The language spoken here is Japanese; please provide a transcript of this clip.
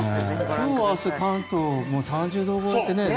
今日は朝、関東３０度超えってね。